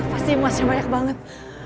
pasti emasnya banyak banget